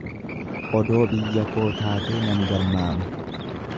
Odoo biyya koo taatee nan garmaama.